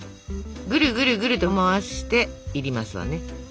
ぐるぐるぐると回していりますわね。